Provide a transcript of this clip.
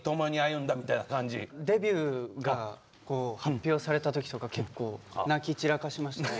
デビューが発表された時とか結構泣き散らかしましたね。